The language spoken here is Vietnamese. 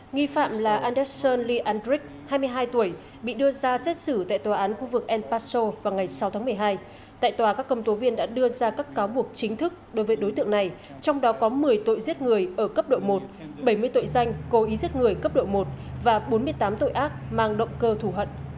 nghi phạm là andeson ley andrick hai mươi hai tuổi bị đưa ra xét xử tại tòa án khu vực el paso vào ngày sáu tháng một mươi hai tại tòa các công tố viên đã đưa ra các cáo buộc chính thức đối với đối tượng này trong đó có một mươi tội giết người ở cấp độ một bảy mươi tội danh cố ý giết người cấp độ một và bốn mươi tám tội ác mang động cơ thủ hận